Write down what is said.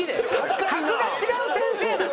格が違う先生なの？